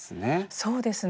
そうですね。